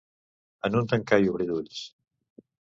En un tancar i obrir d'ulls.